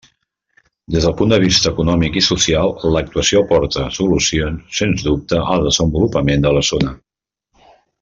Des del punt de vista econòmic i social, l'actuació aporta solucions, sens dubte, al desenvolupament de la zona.